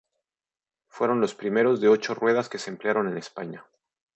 Fueron los primeros de ocho ruedas que se emplearon en España.